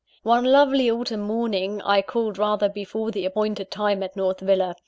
One lovely autumn morning, I called rather before the appointed time at North Villa.